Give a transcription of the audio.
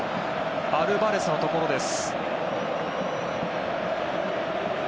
アルバレスのところです。